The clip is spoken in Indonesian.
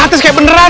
batas kaya beneran